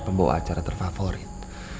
pembawa acara terfavorit